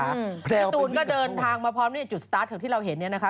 พี่ตูนก็เดินทางมาพร้อมในจุดสตาร์ทที่เราเห็นเนี่ยนะคะ